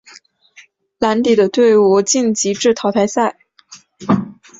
蓝底的队伍晋级至淘汰赛。